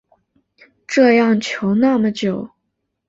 这样求那么久